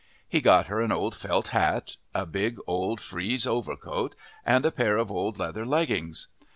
He got her an old felt hat, a big old frieze overcoat, and a pair of old leather leggings.